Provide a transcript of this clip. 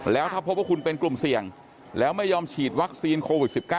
แล้วถ้าพบว่าคุณเป็นกลุ่มเสี่ยงแล้วไม่ยอมฉีดวัคซีนโควิด๑๙